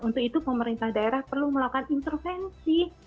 untuk itu pemerintah daerah perlu melakukan intervensi